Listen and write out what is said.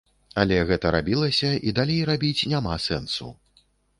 Але гэта рабілася, і далей рабіць няма сэнсу.